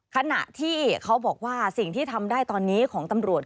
ขณะที่เขาบอกว่าสิ่งที่ทำได้ตอนนี้ของตำรวจ